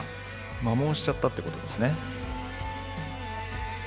摩耗しちゃったってことですね。